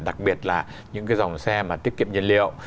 đặc biệt là những cái dòng xe mà tiết kiệm nhiên liệu